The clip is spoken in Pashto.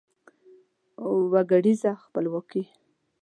وګړیزه خپلواکي